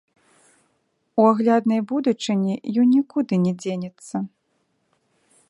У агляднай будучыні ён нікуды не дзенецца.